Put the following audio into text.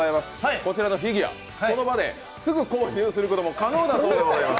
こちらのフィギュア、この場ですぐ購入することが可能だということでございます。